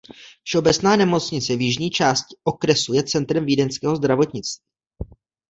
Všeobecná nemocnice v jižní části okresu je centrem vídeňského zdravotnictví.